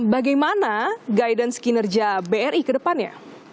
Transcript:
bagaimana guidance kinerja bri ke depannya